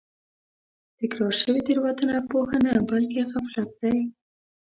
تکرار شوې تېروتنه پوهه نه بلکې غفلت دی.